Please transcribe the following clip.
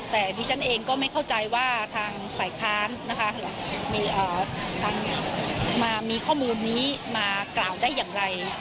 แต่ดิฉันเองก็ไม่เข้าใจว่าทางฝ่ายค้านนะคะมามีข้อมูลนี้มากล่าวได้อย่างไร